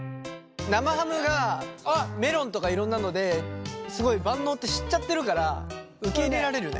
生ハムがメロンとかいろんなのですごい万能って知っちゃってるから受け入れられるね。